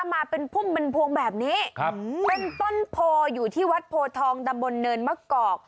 มาเป็นพุ่มเป็นพวงแบบนี้ครับเป็นต้นโพอยู่ที่วัดโพทองตำบลเนินมะกอก